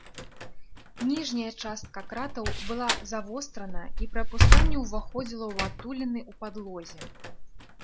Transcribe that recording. Ніжняя частка кратаў была завострана і пры апусканні ўваходзіла ў адтуліны ў падлозе.